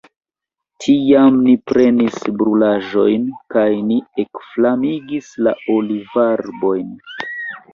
Tiam ni prenis brulaĵojn, kaj ni ekflamigis la olivarbojn.